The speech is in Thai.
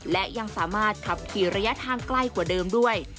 และยังสามารถขับขี่ระยะทางใกล้กว่าเดิมด้วย